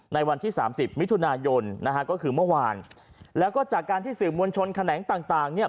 วันที่สามสิบมิถุนายนนะฮะก็คือเมื่อวานแล้วก็จากการที่สื่อมวลชนแขนงต่างต่างเนี่ย